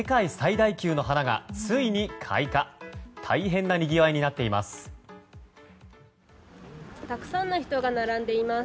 大変なにぎわいになっています。